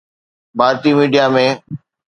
Bharti media ۾